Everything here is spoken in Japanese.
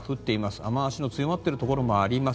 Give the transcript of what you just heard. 雨脚の強まっているところもあります。